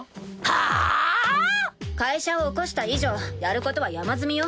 はあ⁉会社を起こした以上やることは山積みよ。